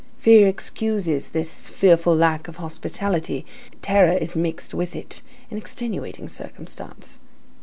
Fear excuses this fearful lack of hospitality; terror is mixed with it, an extenuating circumstance.